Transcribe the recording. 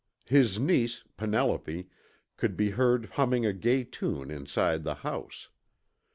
His niece, Penelope, could be heard humming a gay tune inside the house.